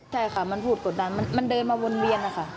ใช่ค่ะมันพูดกดดันมันเดินมาวนเวียนนะคะ